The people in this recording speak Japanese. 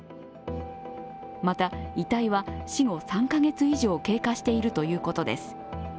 また遺体は、死後３カ月以上経過しているということです。